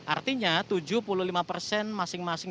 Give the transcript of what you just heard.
artinya tujuh puluh lima persen masing masing